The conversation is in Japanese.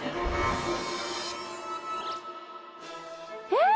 えっ？